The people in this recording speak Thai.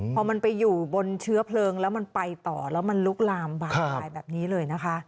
พอมันไปอยู่บนเชื้อเพลิงแล้วมันไปต่อแล้วมันลุกลามบานปลายแบบนี้เลยนะคะ